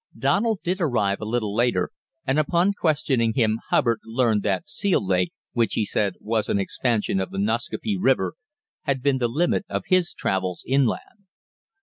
Donald did arrive a little later, and upon questioning him Hubbard learned that Seal Lake, which, he said, was an expansion of the Nascaupee River, had been the limit of his travels inland.